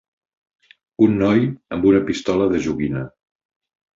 Un noi amb una pistola de joguina.